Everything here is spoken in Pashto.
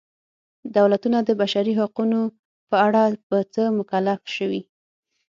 دولتونه د بشري حقونو په اړه په څه مکلف شوي.